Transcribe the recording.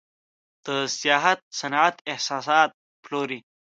د سیاحت صنعت احساسات پلوري.